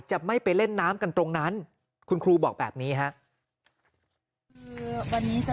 จะไม่ไปเล่นน้ำกันตรงนั้นคุณครูบอกแบบนี้ครับ